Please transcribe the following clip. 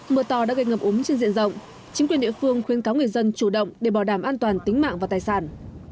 mưa to đã gây ngập úng trên diện rộng chính quyền địa phương khuyên cáo người dân chủ động để bảo đảm an toàn tính mạng và tài sản